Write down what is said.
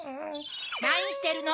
なにしてるの？